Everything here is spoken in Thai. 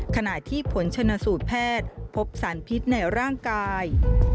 ขณะที่ผลชนสูตรแพทย์พบสารพิษในร่างกาย